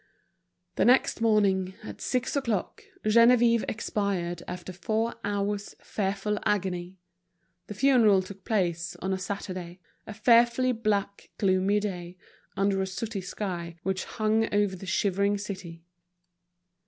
The next morning, at six o'clock, Geneviève expired after four hours' fearful agony. The funeral took place on a Saturday, a fearfully black, gloomy day, under a sooty sky which hung over the shivering city.